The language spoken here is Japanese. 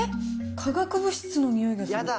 化学物質のにおいがする。